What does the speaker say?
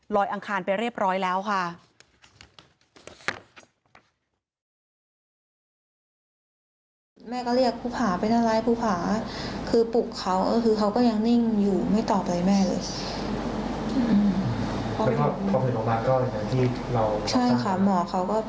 อังคารไปเรียบร้อยแล้วค่ะ